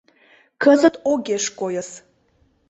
Кызыт огеш койыс.